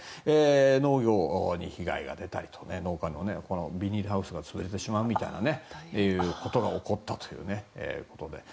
農業に被害が出たりと農家のビニールハウスが潰れてしまうことが起こったということで。